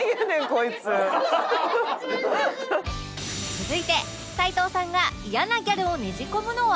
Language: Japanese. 続いて齊藤さんが嫌なギャルをねじ込むのは